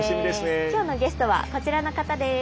今日のゲストはこちらの方です。